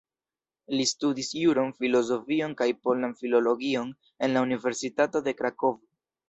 Li studis juron, filozofion kaj polan filologion en la universitato de Krakovo.